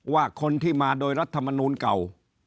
ว่าคนที่มาโดยรัฐมนูลเก่า